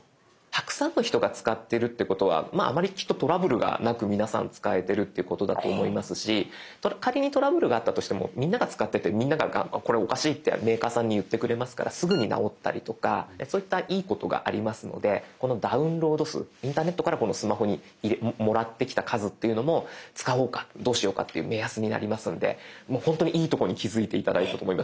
たくさんの人が使ってるっていうことはあまりきっとトラブルがなく皆さん使えてるっていうことだと思いますし仮にトラブルがあったとしてもみんなが使っててみんながこれおかしいってメーカーさんに言ってくれますからすぐに直ったりとかそういったいいことがありますのでこのダウンロード数インターネットからこのスマホにもらってきた数というのも使おうかどうしようかっていう目安になりますので本当にいいとこに気付いて頂いたと思います。